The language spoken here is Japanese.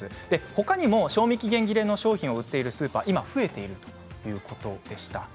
他にも賞味期限切れの商品を売っているスーパーは今、増えているということでした。